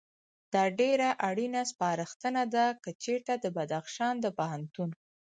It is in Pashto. دا ډېره اړینه سپارښتنه ده، که چېرته د بدخشان د پوهنتون